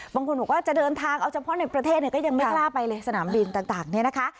บางคนบอกว่าจะเดินทางเอาเฉพาะในประเทศเนี่ยก็ยังไม่กล้าไปเลยสนามบินต่างเนี่ยนะคะ